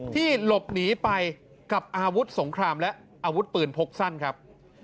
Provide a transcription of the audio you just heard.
ที่หลบหนีไปกับอาวุธสงครามและอาวุธปืนพกสั้นครับ